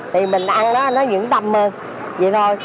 thì mình ăn nó dưỡng tâm hơn vậy thôi